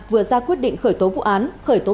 vừa ra quyết định khởi tố vụ án khởi tố